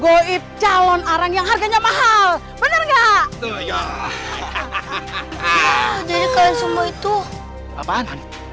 oh i calon arang yang harganya mahal bener nggak ya hahaha jadi kalian semua itu apaan